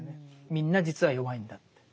みんな実は弱いんだって。